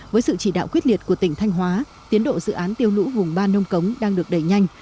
với sự chỉ đạo quyết liệt của tỉnh thanh hóa tiến độ dự án tiêu lũ vùng ba nông cống đang được đẩy nhanh